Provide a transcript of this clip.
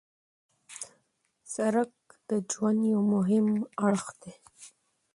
سړک د ژوند یو مهم اړخ دی.